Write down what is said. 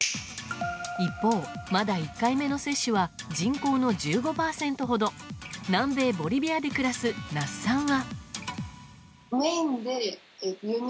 一方、まだ１回目の接種は人口の１５％ほど南米ボリビアで暮らす那須さんは。